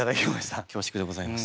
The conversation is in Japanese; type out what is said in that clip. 恐縮でございます。